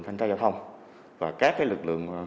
thanh tra giao thông và các lực lượng